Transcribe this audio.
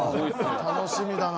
楽しみだな。